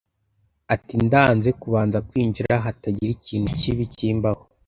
Ati: ndanze kubanza kwinjira hatagira ikintu kibi kimbaho